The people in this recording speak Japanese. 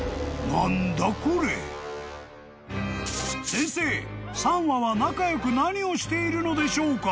［先生３羽は仲良く何をしているのでしょうか？］